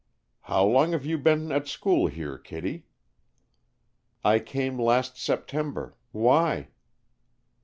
"How long have you been at school here. Kittie?" "I came last September. Why?"